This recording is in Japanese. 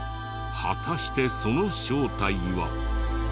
果たしてその正体は。